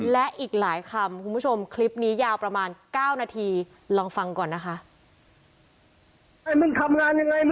และอีกหลายคำคุณผู้ชมคลิปนี้ยาวประมาณ๙นาทีลองฟังก่อนนะคะ